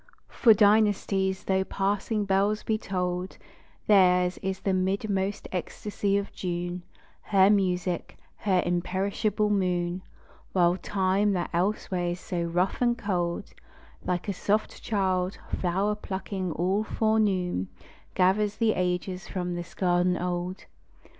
For dynasties tho' passing bells be tolled, Theirs is the midmost ecstasy of June, Her music, her imperishable moon; While Time, that elsewhere is so rough and cold, Like a soft child, flower plucking all forenoon, Gathers the ages from this garden old.